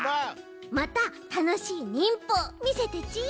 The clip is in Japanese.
またたのしい忍法みせてち。